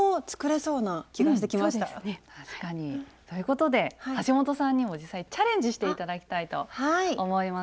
そうですね。ということで橋本さんにも実際チャレンジして頂きたいと思います。